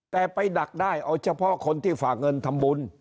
แต่ไปดักได้เอาเฉพาะคนที่ฝากเงินทำบุญ